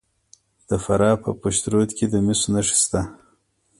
د فراه په پشت رود کې د مسو نښې شته.